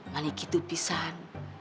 manik itu pisan